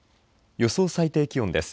予想最低気温です。